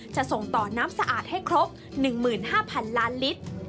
ส่งต่อน้ำสะอาดให้ครบ๑๕๐๐๐ล้านลิตร